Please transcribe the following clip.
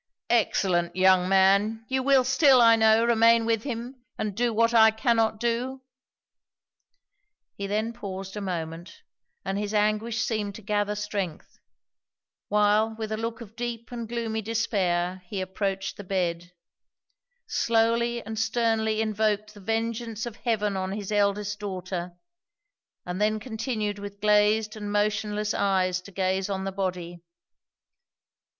'Excellent young man! you will still, I know, remain with him, and do what I cannot do.' He then paused a moment, and his anguish seemed to gather strength while with a look of deep and gloomy despair he approached the bed; slowly and sternly invoked the vengeance of heaven on his eldest daughter; and then continued with glazed and motionless eyes to gaze on the body.